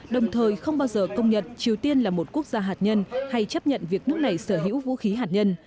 đồng thời không bao giờ công nhận triều tiên là một quốc gia hạt nhân hay chấp nhận việc nước này sở hữu vũ khí hạt nhân